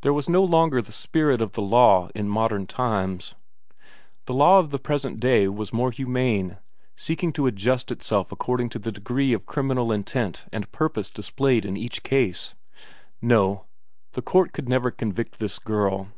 There was no longer the spirit of the law in modern times. The law of the present day was more humane, seeking to adjust itself according to the degree of criminal intent and purpose displayed in each case. No! The court could never convict this girl.